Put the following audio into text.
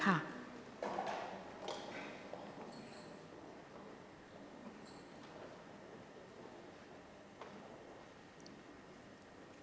หมายเลข๕๑